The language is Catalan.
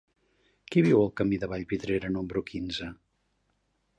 Qui viu al camí de Vallvidrera número quinze?